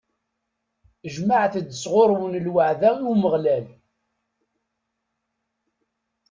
Jemɛet-d sɣur-wen lweɛda i Umeɣlal.